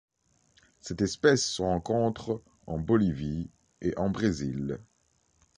Cette espèce se rencontre en Bolivie et en Brésil.